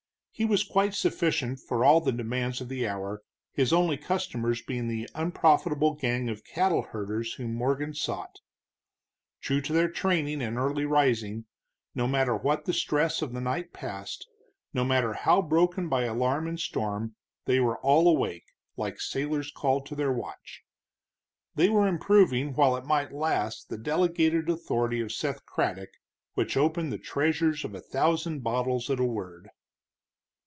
He was quite sufficient for all the demands of the hour, his only customers being the unprofitable gang of cattle herders whom Morgan sought. True to their training in early rising, no matter what the stress of the night past, no matter how broken by alarm and storm, they were all awake, like sailors called to their watch. They were improving while it might last the delegated authority of Seth Craddock, which opened the treasures of a thousand bottles at a word.